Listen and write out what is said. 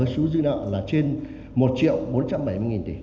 số dư nợ là trên một triệu bốn trăm bảy mươi tỷ